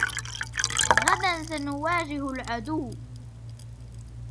غداً سنواجه العدو.